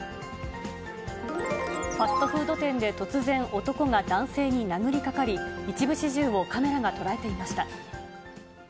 ファストフード店で突然、男が男性に殴りかかり、一部始終をカメラが捉えていました。